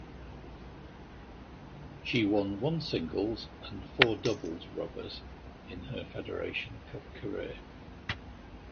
She won one singles and four doubles rubbers in her Federation Cup career.